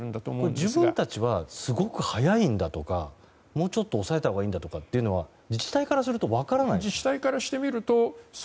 自分たちはすごく早いんだとかもうちょっと抑えたほうがいいって自治体からすると分からない？